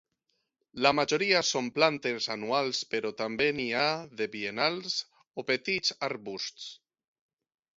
La majoria són plantes anuals però també n'hi ha de biennals o petits arbusts.